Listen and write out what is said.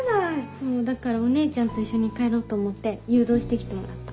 そうだからお姉ちゃんと一緒に帰ろうと思って誘導して来てもらった。